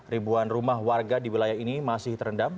ribuan rumah warga di wilayah ini masih terendam